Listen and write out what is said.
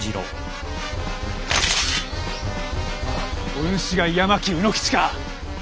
お主が八巻卯之吉か！